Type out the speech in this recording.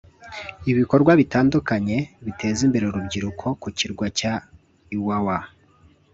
ibikorwa bitandukanye biteza imbere urubyiruko ku kirwa cya Iwawa